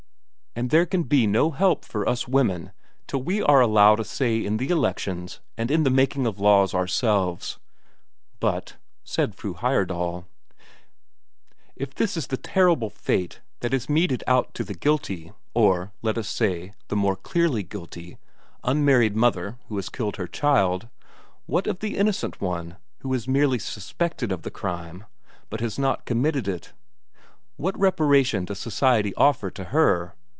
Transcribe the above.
And there can be no help for us women till we are allowed a say in the elections, and in the making of laws, ourselves. "But," said Fru Heyerdahl, "if this is the terrible fate that is meted out to the guilty or, let us say, the more clearly guilty unmarried mother who has killed her child, what of the innocent one who is merely suspected of the crime, and has not committed it? What reparation does society offer to her?